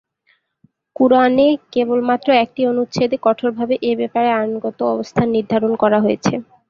কুরআনে কেবলমাত্র একটি অনুচ্ছেদে কঠোরভাবে এ ব্যাপারে আইনগত অবস্থান নির্ধারণ করা হয়েছে।